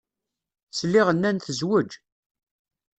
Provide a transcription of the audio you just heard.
Sliɣ nnan tezweǧ.